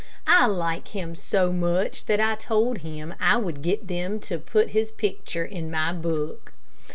I like him so much that I told him I would get them to put his picture in my book.